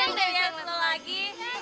senang deh senang lagi